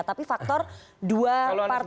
tapi faktor dua partai